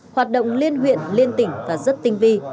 hoạt động liên huyện liên tỉnh và rất tinh vi